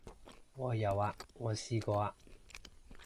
我有啊，我試過啊